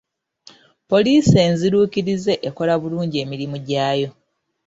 Poliisi enziruukirize ekola bulungi emirimu gyayo.